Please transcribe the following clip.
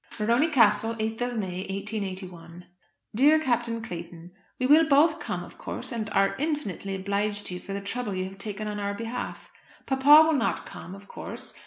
Morony Castle, 8th of May, 1881. DEAR CAPTAIN CLAYTON, We will both come, of course, and are infinitely obliged to you for the trouble you have taken on our behalf. Papa will not come, of course.